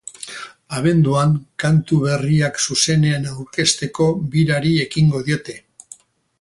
Abenduan kantu berriak zuzenean aurkezteko birari ekingo diote.